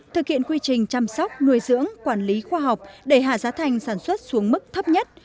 thực hiện quy trình chăm sóc nuôi dưỡng quản lý khoa học để hạ giá thành sản xuất xuống mức thấp nhất